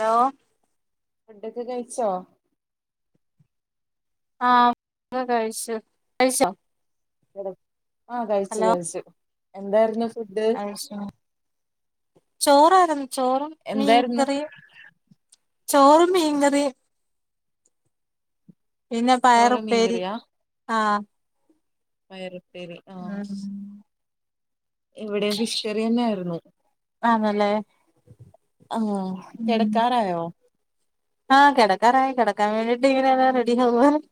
Law ഫുഡൊക്കെ കഴിച്ചോ ആഹ് കഴിച്ചു കഴിച്ചോ ആഹ് കഴിച്ചു കഴിച്ചു എന്തായിരുന്നു ഫുഡ് അയ്ശ ചോറായിരുന്നു ചോറും എന്തായിരുന്നു മീൻകറിയും ചോറും മീങ്കറിം പിന്നെ ചോറ് പയറുപ്പേരി മീൻകറിയാ ആഹ് പയറുപ്പേരി ആഹ് ഇവിടേം ഫിഷ് കറി യേന്നെ ആയിരുന്നു ആണ് അല്ലേ ആനോ കെടക്കാറായോ ആ കെടക്കാറായി കെടക്കാൻ വേണ്ടിട്ടി ഇങ്ങനെ റെഡി ആവുവായിരുന്നു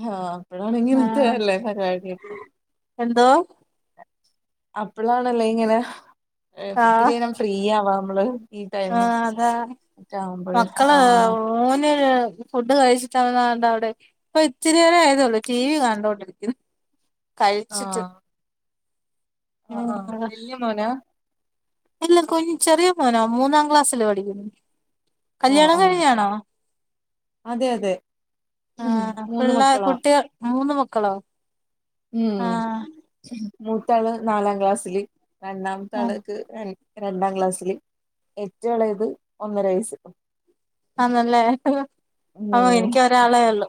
ആഹ് അപ്പഴാണെങ്കി ഇത്തെ ആഹ് [unintelligible] ല്ലേ പരിപാടി എന്തോ അപ്പളാണല്ലേ ഇങ്ങനെ ആഹ് ഇത്തിരി നേരം ഫ്രീ ആവാ നമ്മള് ഈ ടൈമ് ആഹ് അതാ ആവുമ്പോഴ് മക്കള് ആഹ് മോന് ഫുഡ് കഴിച്ചിട്ട് അവൻ ദാണ്ടേ അവിടെ- ഇപ്പൊ ഇച്ചിരി നേരാവായതേയുള്ളൂ ടി വി കണ്ടോണ്ടിരിക്കുണു കഴിച്ചിട്ട് ആഹ് ആഹ് വല്യ മോനാ അല്ല കൊൻ ചെറിയ മോനോ മൂന്നാം ക്ലാസ്സില് പഠിക്കുന്നു ആഹ് കല്യാണം ആഹ് കഴിഞ്ഞാണോ അതെ അതെ ആ മൂന്ന് പിള്ളേ മക്കളാ കുട്ടികൾ മൂന്ന് മക്കളോ ഉം ആഹ് മൂത്താള് നാലാം ക്ലാസ്സില് രണ്ടാമത്തെ ആഹ് ആള്ക്ക് - രണ്ടാം ക്ലാസ്സില് ഏറ്റവുംഇളയത് ഒന്നര വയസ് ആന് അല്ലേ ഓ ഉം എനിക്ക് ഒരാളേ ഒള്ളു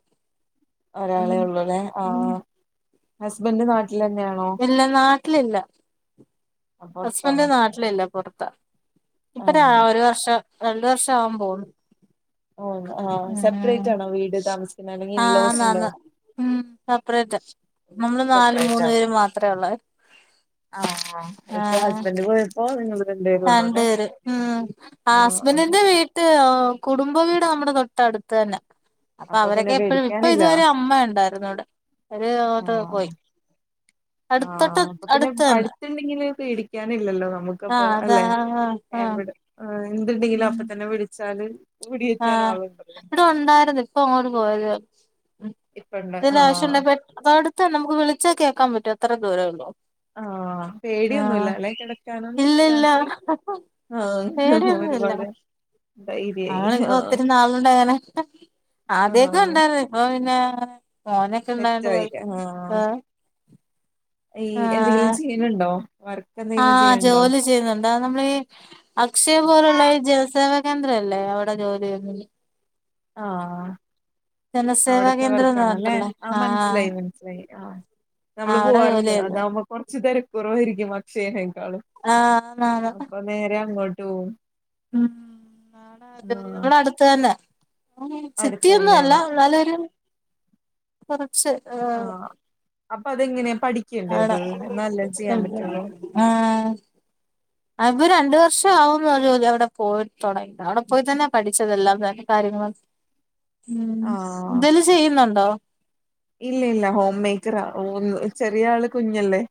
ഒരാളെള്ളൂ അല്ലേ ആ ഹസ്ബൻഡ് നാട്ടിൽ തന്നെയാ ഇല്ല നാട്ടിലില്ല ഹസ്ബൻഡ് പൊറത്താണ് നാട്ടിലില്ല പൊറത്ത ഇപ്പൊ ആഹ് ഒരു വർഷം രണ്ടു വർഷം ആകാൻ പോകുന്നു ഓഹ് ഉം സെപ്പറേറ്റ് ആണോ വീട് താമസിക്കുന്ന അല്ലെങ്കിൽ ആഹ് ഇൻലോസ് ഉണ്ടോ ആന്നാന്ന് ഉം സപ്പറേറ്റാ നമ്മള് നാല് സെപ്പറേറ്റ് മൂന്ന് ആണ് പേര് മാത്രേ ഒള്ളെ ആഹ് ഇപ്പൊ ഹസ്ബന്ഡ് പോയ - ഓന് ഇന്ന് ഇവിടെണ്ട് രണ്ട്‌ പേര് ഉം ആ ആഹ് ഹസ്ബന്റിന്റെ വീട്ട- മറ്റേ കുടുംബവീട് നമ്മുടെ തൊട്ടടുത്ത് തന്നെ അപ്പൊ പിന്നെ അവരൊക്കെ എപ്പഴും ഇപ്പൊ പേടിക്കാനില്ല ഇതുവരെ അമ്മ ഉണ്ടായിരുന്നു അവിടെ അവര് അങ്ങോട്ട് ആഹ് പോയി അടുത്തട്ട് പിന്നെ അടുത്ത തന്നെ അമ്മ ഇണ്ടെങ്കിലും പേടിക്കാൻ ഇല്ലല്ലോ നമുക്ക് അപ്പൊ ആഹ് അതാ അല്ലെ ആഹ് ആഹ് എവിടെ ആ എന്തുണ്ടെങ്കിലും അപ്പ തന്നെ വിളിച്ചാല് ഓടിയെത്താന് ആഹ് ആളുണ്ട് ഇവിടെ ഒണ്ടായിരുന്നു ഇപ്പ അങ്ങോട്ട് പോയത് ഇപ്പണ്ട് എന്തേലും ആഹ് ആവിശ്യംയുണ്ടെങ്കിൽ പോയി - അത് അടുത്ത നമുക്ക് വിളിച്ചാൽ കേക്കാൻ പറ്റോ അത്ര ദൂരേ ഉള്ളോ ആഹ് ആഹ് പേടിയൊന്നുല്ല അല്ലെ കിടക്കാനൊന്നും ഇല്ല ഇല്ല രാത്രി പേടി ഒന്നു ഇല്ല ന്ത ഇ [unintelligible] നമ്മളിപ്പോ ഒത്തിരി നാളു കൊണ്ടങ്ങനെ ആഹ് ആദ്യൊക്കെ ഉണ്ടായിരുന്നു ഇപ്പൊ പിന്നെ- മോനൊക്കെ ഉണ്ടായൊണ്ട് സെറ്റായി ആഹ് ഏ ഈ എന്തെങ്കിലും ചെയ്യണണ്ടോ വർക്ക് എന്തെങ്കിലും ആഹ് ചെയ്യണണ്ടോ ജോലി ചെയ്യുന്നുണ്ട് അത് നമ്മളീ അക്ഷയ പോലുള്ള ഈ ജലസേവ കേന്ദ്രയല്ലേ അവിടെ ജോലി ചെയ്യുന്നത് ആഹ് ജനസേവാ അവിടത്തെ കേന്ദ്രംന്ന് വർക്കാണല്ലേ പറഞ്ഞിട്ടല്ലേ ആ ആഹ് മനസിലായി മനസിലായി ആഹ് നമ്മള് അവിടെ ജോലി പോവാറുണ്ട് ചെയ്തു അതാകുമ്പോ കൊറച്ച് പേര് കൊറവായിരിക്കും അക്ഷയനേക്കാളും ആഹ് ആന് ആന് നേരെ അങ്ങോട്ടും പോകും ഉം നട [unintelligible] ആഹ് നമ്മള അടുത്ത തന്നെ ഉ അടുത്ത് ചിറ്റി [unintelligible] യൊന്നും അല്ല തന്നെയാണ് എന്നാലൊരു കുറച്ച് ആ ആഹ് അപ്പൊ അതെങ്ങനെയാ പഠിക്കണ്ടേ അവിടെ അത് എന്നാലല്ലേ ചെയ്യാൻ പറ്റുള്ളൂ ആഹ് ആ ഇപ്പോ രണ്ടു വർഷം ആവുന്നു അവിടെ രണ്ട്പോയി തൊടങ അവിടെ പോയി തന്നെ പഠിച്ചതെല്ലാം തന്നെ കാര്യങ്ങളും ഉം ആഹ് എന്തങ്കിലുംചെയ്യുന്നുണ്ടോ ഇല്ല ഇല്ല ഹോം മേറ്ററാ ചെറിയ ആള് കുഞ്ഞല്ലേ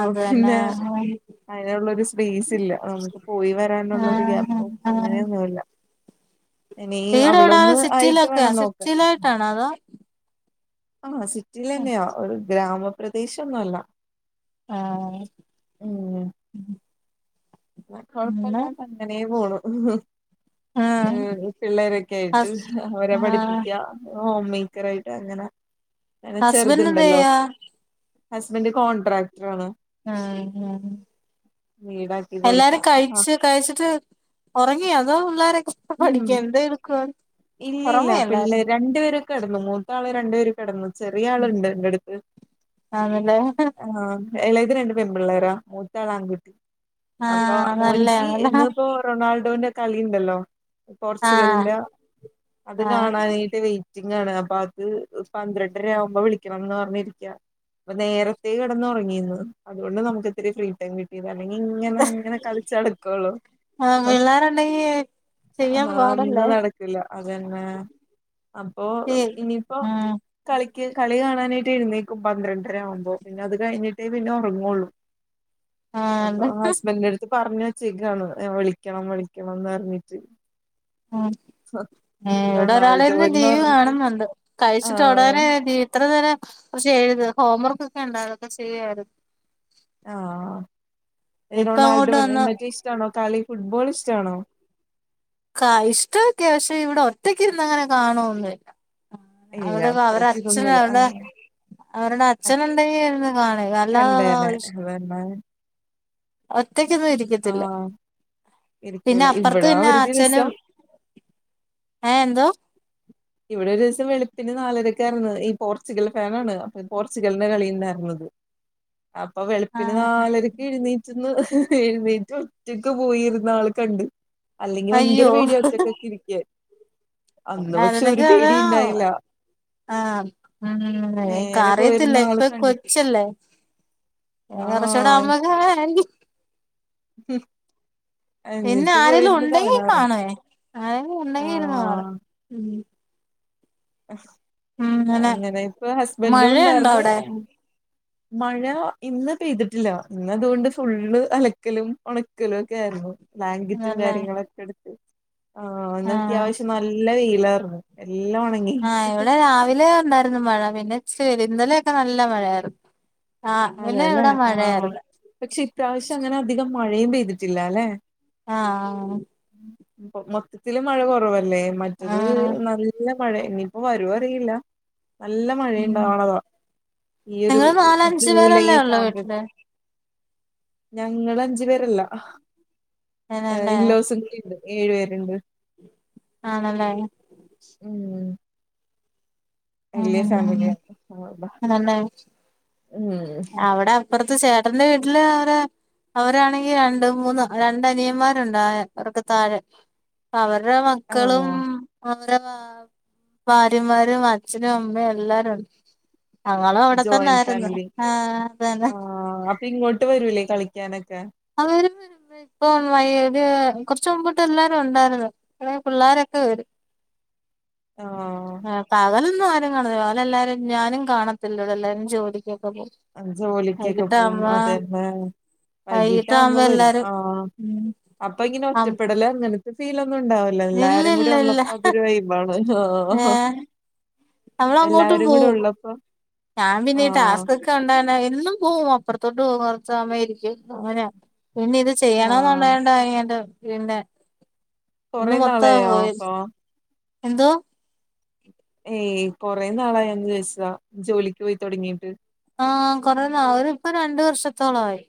അതെന്നെ [unintelligible] അതിനുള്ള ഒരു സ്പേസ് ഇല്ല നമുക്ക് പോയി വരാനുള്ള ഒരു ആഹ് ഗ്യാപ്പും അങ്ങനെയൊന്നുമല്ല വീറെ എവിടെയാ ആയിട്ട് സിറ്റിയിലൊക്കെയാ വേണം നോക്കാൻ സിറ്റിയിലായിട്ടാണോ അതോ ആഹ് സിറ്റിയിലന്നെയാ ഒരു ഗ്രാമപ്രദേശൊന്നും അല്ല ആഹ് ഉം പിന്നെ കൊഴപ്പല്ലാട്ട് അങ്ങനെ പോണു ആഹ് ഏർ പിള്ളേരൊക്കെ ആയിട്ട് ഹസ് അവരെ ആഹ് പഠിപ്പിക്കാ ഹോം മേക്കർ ആയിട്ട് അങ്ങനെ അങ്ങനെ ഹസ്ബൻഡ് എന്ത് ചെറുതുണ്ടല്ലോ ചെയ്യാ ഹസ്ബൻന്റ് കോൺട്രാക്ടർ ആണ് ആഹ് [unintelligible] വീടെക്ക് എല്ലാരും കഴിച്ചു കഴിച്ചിട്ട് ഉറങ്ങി അതോ പിള്ളേരൊക്ക സ്ക്കൂ പഠിക്ക എന്താ എടുക്കുവാ ഒറങ്ങുവാ എല്ലാരും ഇല്ലില്ലപിള്ളരണ്ടു പേരൊക്കെ കിടന്നുമൂത്ത ആള് രണ്ടു പേരും കെടന്നു ചെറിയ ആളുണ്ട് എന്റെ അടുത്ത് ആണല്ലേ ആഹ് ഏളേത് രണ്ട് പെൺ പിള്ളേരാ മൂത്ത ആള് ആൺകുട്ടി അപ്പൊ ആഹ് മോനിക്ക് നല്ലയാണല്ലോ ഇന്നിപ്പോ റൊണാൾഡോന്റെ കളിുണ്ടല്ലോ ആഹ് പോർച്ചുഗലിന്റെ അത് ആഹ് കാണാനായിട്ട് വെയ്റ്റ്- ഇന്നാണ് അപ്പൊ അത് പന്ത്രണ്ടര ആവുമ്പോ വിളിക്കണംന്ന് പറഞ്ഞിരിക്കാ അപ്പ നേരത്തെകെടന്നുറങ്ങിന്ന് അതുകൊണ്ട് നമുക്ക് ഇത്തിരി ഫ്രീടൈം കിട്ടി ഇതല്ലെങ്കി ഇങ്ങനെ ഇങ്ങനെ കളിച്ചടുക്കുള്ളോ പിള്ളേര് ഉണ്ടങ്ങി - ആഹ് ഒന്ന് നടക് ല്ല അതന്നെ അപ്പൊ ഇനിപ്പോ ഉം ആഹ് കളിക്ക് കളി കാണാനായിട്ട് എഴുന്നേക്കും പന്ത്രണ്ടര ആവുമ്പോ പിന്നെ അത് കഴിഞ്ഞിട്ടേ പിന്നെ ഉറങ്ങുള്ളൂ [inaudible] അപ്പൊ ആഹ് ഹസ്ബന്റിന്റെ അടുത്ത് പറഞ്ഞു വെച്ചേക്കാ വിളിക്കണം വിളിക്കണംന്ന് പറിഞ്ഞിട്ട് ഉം ഏഹ് ഇവിടെ ഒരാളിരുന്ന് ടി റൊണാൾഡോന്ന് വി പറഞ്ഞിട്ട് കാണുന്നുണ്ട് കഴിച്ചിട്ട് ആഹ് ഉടനെ ടി വി ഇത്ര നേരം കുറച്ച് എഴുത് ഹോംവർക്ക് ഒക്കെ ഉണ്ടാര്ന്ന് ചെയ്യായിരുന്നു ഇ ഇപ്പ റൊണാൾഡോ അങ്ങോട്ട് വന്ന് നിങ്ങക്ക് ഇഷ്ടണോ കളി ഫുട്ബോൾ ഇഷ്ടണോ ക ഇഷ്ട്ടോക്കെയ പക്ഷെ ഇവിടെ ഒറ്റക്ക് ഇന്ന് അങ്ങനെ കാണൊന്നില്ല ഇല്ല അവിടെ അവരെ അത്രക്ക് ഇതൊന്നുല്ല അച്ഛനെന്താ ആഹ് അവരുടെ അച്ഛന് എന്താ ചെയ്യുന്നേ കണ്ടേനെ [unintelligible] അതന്നെ ഒറ്റക്കൊന്നും ഇരിക്കത്തില്ല ആഹ് പിന്നെ ഇരിക്കൂല അപ്പറത്ത് ഇവിടെ പിന്നെ ഒരു അച്ഛനും ദിവസം ഏഹ് എന്തോ ഇവിടെ ഒരീസം വെളുപ്പിന് നാലരക്കരുന്നു ഈ പോർച്ചുഗൽ ഫാനാണ് ഈ പോർച്ചുഗലിന്റെ കളി ഉണ്ടായിരുന്നത് അപ്പൊ ആ വെളുപ്പിന് നാലരക്ക് എഴുന്നെ റ്റ്ന്ന് എഴുന്നേറ്റ് ഒറ്റക്ക് പോയിരുന്ന് ആൾ കണ്ട് അല്ലെങ്കി ഭയങ്കര അയ്യോ പേടിയ ഒറ്റക്ക് ഒക്കെ ഇരിക്കൻ പിന്നെ അതെനെ കാണാ ആഹ് ഉം എക്ക് നേരെ അറിയത്തില്ല പോയിരുന്ന ആള് ഇപ്പൊ കണ്ട് കൊച്ചല്ലേ ആഹ് [unintelligible] ഹും പിന്നെ ആരെലും ഉണ്ടെങ്കി കാണുവേ ആരെലും ഉണ്ടെങ്കി ഇരുന്ന് കാണും ആഹ് അങ്ങനെ ഇപ്പൊ ഹസ്ബൻഡും മഴയുണ്ടോ ഉണ്ടാർന്ന് അവിടെ മഴ ഇന്ന് പെയ്തിട്ടില്ല ഇന്ന് അതോണ്ട് ഫുള്ള് അലക്കലും ഒണക്കലും ഒക്കെ ആരുന്നു ബ്ലാങ്കെറ്റും നല്ല കാര്യങ്ങളൊക്കെ എടുത്ത് ആഹ് ഇന്ന് ആഹ് അത്യാവശ്യം ന- ല്ല വെയിലാർന്നു എല്ലാം ഉണ- ആഹ് ഇവിടെ രാവിലെ ഉണ്ടായിരുന്നു മഴ പിന്നെ ഇച്ചി വെയിൽ ഇന്നലെ ഒക്കെ നല്ല മഴയാരുന്നു ആഹ് ഇന്നലെ അതെല്ലേ ഇവിടാ ആഹ് മഴയർന്ന് പക്ഷെ ഇപ്രാവശ്യം അങ്ങനെ അധികം മഴയും പെയ്തിട്ടില്ലല്ലേ. ആഹ് ആഹ് [unintelligible] മൊത്തത്തില് മഴ കൊറവല്ലേ മറ്റത് ആഹ് നൽ ല്ല മഴ ഇനിയിപ്പോ വരോ അറിയില്ല. നല്ല ഉം മഴയുണ്ടവ്ണതാ ഈ ഒരു നിങ്ങള് നാലഞ്ചു ജൂലൈ പേരല്ലേ ഒക്കെ ഉള്ളൂ വീട്ടില് ആവുമ്പോഴേക്ക് ഞങ്ങളഞ്ചു പേരല്ല ഏഹ് അതെല്ലേ ഇല്ലോസും കൂടിണ്ട് ഏഴു പേർണ്ട് ആണല്ലേ ഉം ഉം വല്ല്യ ഫാമിലിയ [unintelligible] തന്നെ ഉം അവടെ അപ്പർത്ത് ചേട്ടന്റെ വീട്ടില് ആരാ അവരണെങ്കി രണ്ട് മൂന്ന് രണ്ട് അനിയന്മാരുണ്ട് അവർക്ക് താഴെ അവർടെ മക്കളും ആഹ് അവരെ ഭാ ഭാര്യമാരും അച്ഛനും അമ്മയും എല്ലാരുണ്ട് ഞങ്ങളും ജോയിന്റ് അവിടെത്തന്നെയായിരുന്നു. ഫാമിലി ആഹ് അപ്പ ഇങ്ങോട്ട് വരൂല്ലേ കളിക്കാനൊക്കെ ആഹ് വരും വരും ഇപ്പൊ വൈ ഒരു കൊർച്ച് മുമ്പിട്ട് എല്ലാരും ഉണ്ടായിരുന്നു. ഇളയ പിള്ളാരൊക്കെ വെരും. ആഹ് ആഹ് പകലൊന്നും ആരും കാണത്തില്ല പകൽ എല്ലാരും ഞാനും കാണത്തില്ല എല്ലാരും ജോലിക്കൊക്കെ പോവും. ആഹ് ജോലിക്കൊക്കെ പോവും അതെല്ലേ വൈകിട്ടാവുമ്പോ വൈകീട്ടാവുമ്പം വരും എല്ലാരും ആഹ് ഉം അപ്പ ഇങ്ങനെ ആ ഒറ്റപ്പെടല് അങ്ങനെ ഫീലൊന്നും ഇണ്ടാവില്ല ഇല്ല എല്ലാരും കൂടി ഇല്ല ഇല്ല ഉള്ളപ്പോ അതൊരു വൈബാണ് ആഹ് ഏഹ് നമ്മളങ്ങോട്ടും എല്ലാവരും കൂടെ പോവും ഉള്ളപ്പൊ ഞാൻ പിന്നെ ഈ ടാസ്ക്കൊക്കെ [unintelligible] എന്നും പോകും അപ്പുറത്തോട്ട് പോകും കുറച്ച് സമയം ഇരിക്കും അങ്ങന പിന്നെ ഇത് ചെയ്യണോന്ന് ആഹ് ണ്ടായൊണ്ടാ [unintelligible] പിന്നെ കൊറെ ഇന്ന് മൊത്തം നാളായോ പോയി പോ എന്തോ ഏയ് കൊറെ നാളായോന്ന് ചോദിച്ചതാ ജോലിക്ക് പോയി തൊട്ങ്ങീട്ട് ആഹ് കൊറേ നാള് ഇപ്പം രണ്ടു വർഷത്തോളായി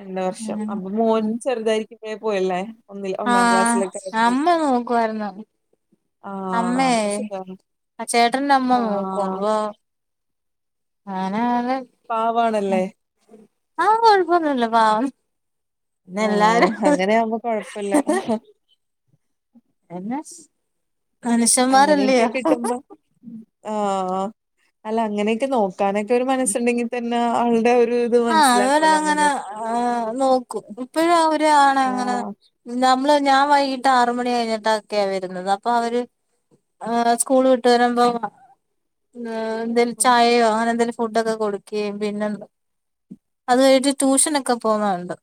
രണ്ട് വർഷം അപ്പൊ മോൻ ഉം ചെറുതായിരിക്കുമ്പയെ പോയല്ലേ ഒന്നില് ഒന്നാം ആഹ് ക്ലാസ്സിലൊക്കെ അമ്മ ആയപ്പോയേക്കും നോക്കുവായിരുന്നു ആഹ് അമ്മയെ അപ്പം സുഖാണ് ആ ചേട്ടന്റെ അമ്മ ആഹ് ആനെ [unintelligible] പാവാണല്ലേ ആഹ് കൊഴപ്പൊന്നുല്ല പാവ ഉം പിന്നെല്ലാരും അങ്ങനെ ആവുമ്പോ കൊഴപ്പല്ല എന്നെ മനുഷ്യന്മാരല്ലയോ അങ്ങനെയൊക്കെ കിട്ടുമ്പോ ആഹ് ആഹ് അല്ല അങ്ങനെയൊക്കെ നോക്കാനൊക്കെ ഒരു മനസ്സുണ്ടെങ്കിൽ തന്നെ ആളുടെ ഒര് ആഹ് അതുപോലെ അങ്ങനെ ആഹ് നോക്കും ഇപ്പഴും അവര് ആണ് അങ്ങനെ ആഹ് നമ്മള് ഞാൻ വൈകിട്ട് ആറ് മണി കഴിഞ്ഞിട്ടൊക്കെയ വരുന്നത് അപ്പൊ അവര് ആഹ് സ്കൂള് വിട്ട് വരുമ്പം ആഹ് എന്തേലും ചായയോ അങ്ങനെ എന്തേലും ഫുഡൊക്കെ കൊടുക്കുകയും പിന്നെന്തോ അത് കഴിഞ്ഞിട്ട് ട്യൂഷനൊക്കെ പോകാണ്ട്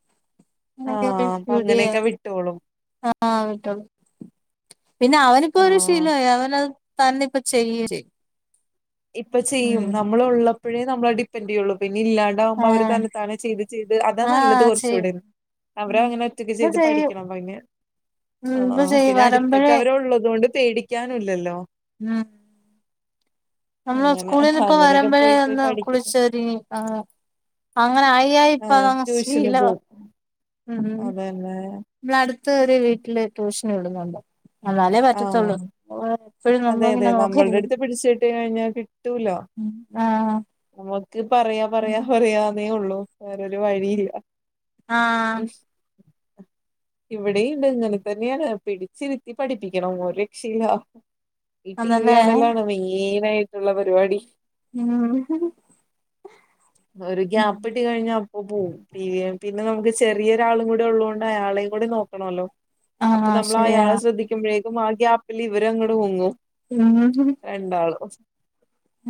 ആഹ് അപ്പൊ അങ്ങനെയൊക്കെ [unintelligible] വിട്ടോളും. ആഹ് വിട്ടോ പിന്നെ അവനിപ്പോ ഒരു ആഹ് ശീലായി അവനത് തന്നെപ്പം ചെയ്യേം ചെയ്യും ഇപ്പം ചെയ്യും ഉം നമ്മൾ ഉള്ളപ്പഴേ നമ്മളെ ഡിപ്പെെൻറ് ചെയ്യുള്ളൂ പിന്നെ ഇല്ലാ ആ ണ്ടാവുമ്പം അവര് തന്നെ താനെ ചെയ്ത് ചെയ്ത് അതാ ആ നല്ലത് ചെയ്യും കുറച്ചൂടെ ഉം അവരങ്ങനെ ഒറ്റക്ക് ഇപ്പൊ ചെയ്ത് ചെയ്യും പഠിക്കണം പിന്നെ ഉം ആഹ് ഇപ്പൊ ആഹ് ചെയ്യും പിന്നെ അടുത്തൊക്കെ വരുമ്പഴേ അവരുള്ളത് കൊണ്ട് പേടിക്കാനൂല്ലല്ലോ ഊം നമ്മള് അങ്ങനെ സ്കൂളിന്ന് ഇപ്പ അങ്ങനെയൊക്കെ വരുമ്പഴേ പോയി പോയി ഒന്ന് പഠിക്കും കുളിച്ചൊരുങ്ങി ആഹ് അങ്ങനെ ആയി ആയി ആഹ് ഇപ്പതങ്ങ് ട്യൂഷന് ശീലവാ. പോവും ഉഹൂം. അതന്നെ ഇവടെ അടുത്തൊര് വീട്ടില് ട്യൂഷൻ വിടുന്നുണ്ട്. എന്നാലേ പറ്റത്തൊള്ളൂ ആഹ് അതെ അതെ നമ്മൾടെ അടുത്ത് പിടിച്ചിട്ട് കഴിഞ്ഞാൽ കിട്ടൂലാ ആ നമ്മക്ക് പറയാ പറയാ പറയാന്നേ ഉള്ളൂ വേറൊരു വഴീല്ല ആ ഇവിടെയൂണ്ട് ഇങ്ങനെ തന്നെയാണ് പിടിച്ചിരുത്തി പഠിപ്പിക്കണം ഒരു രക്ഷയില്ല ഈ ടി വി അതല്ലേ കാണലാണ് മെയിൻ ആയിട്ടുള്ള പരിപാടി. ഉം ഹും ഒരു ഗ്യാപ്പ് കിട്ടി കഴിഞ്ഞ അപ്പം പോവും ടീ വി ണാൻ. പിന്നെ നമുക്ക് ചെറിയൊരാളും കൂടെ ഉള്ളതൊണ്ട് അയാളെയും കൂടി നോ ക്കണൊല്ലോ. അപ്പൊ ആഹ് നമ്മള് ശരിയാ അയാളെ ശ്രദ്ധിക്കുമ്പഴേക്കും ആ ഗ്യാപ്പിൽ ഇവരങ്ങട് മുങ്ങും. ഊം ഹും രണ്ടാളും.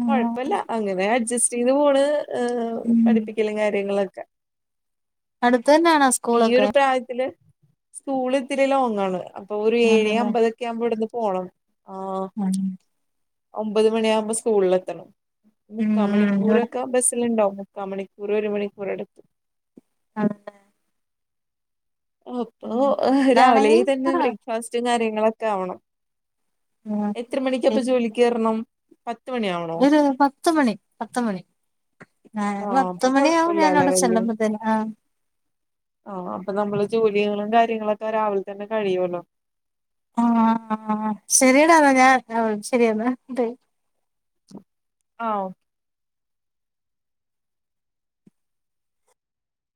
കൊഴപ്പല്ല അങ്ങനെ അഡ്ജസ്റ്റ് ചെയ്ത് പോണ്. ഏഹ് ഉം പഠിപ്പിക്കലും കാര്യങ്ങളൊക്കെ. അടുത്തന്നാണോ സ്കൂളൊക്കെ ഈയൊരു പ്രായത്തില് സ്കൂള് ഇത്തിരി ലോങ്ങാണ് അപ്പൊ ഒരു ഏഴ് ആണല്ലേ അമ്പതൊക്കെ ആവുമ്പോ ഇവടുന്ന് പോണം ആഹ് ആഹ് ഒമ്പത് മണിയാവുമ്പം സ്കൂളിലെത്തണം. ഉം മുക്കാ ഇവിടെ മണിക്കൂറൊക്കെ എടുക്കല്ണ്ടാവും. മുക്കാ മണിക്കൂറ് ഒരു മണിക്കൂർ അട് ആണല്ലേ അപ്പൊ രാവിലേ ഇവിടാണെങ്കി തന്നെ ബ്രേക്ക്ഫാസ്റ്റും കാര്യങ്ങളൊക്കെ ആവണം എത്ര മണിക്കപ്പ ജോലിക്ക് കേറണം? പത്ത് മണിയാവൊ ഒര് പത്തുമണി പത്തുമണി ഏഹ് ആ അപ്പൊ പത്തുമണിയാവും കൊഴപ്പില്ലല്ലേ ഞാനവടെ ചെല്ലുമ്പ ത്തിന് ആഹ് ആഹ് അപ്പൊ നമ്മള് ജോലികളും കാര്യങ്ങളൊക്കെ രാവിലെ തന്നെ കഴിയൂല്ലോ. ആഹ് ആഹ്. ശെരിയെടാന്നാ ഞാൻ, ആഹ് ശരിയെന്നാ [unintelligible] ആഹ് ഓഹ്